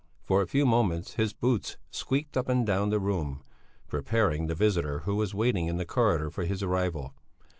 For a few moments his boots squeaked up and down the room, preparing the visitor who was waiting in the corridor for his arrival.